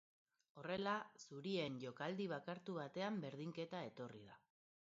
Horrela, zurien jokaldi bakartu batean berdinketa etorri da.